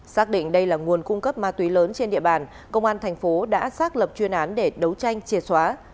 xác định đây là nguồn cung cấp ma túy lớn trên địa bàn công an thành phố đã xác lập chuyên án để đấu tranh triệt xóa